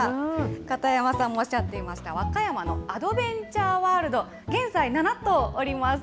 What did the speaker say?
片山さんもおっしゃっていました、和歌山のアドベンチャーワールド、現在、７頭おります。